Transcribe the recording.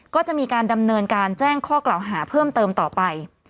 ก็จะมีการดำเนินการแจ้งข้อกล่าวหาเพิ่มเติมต่อไป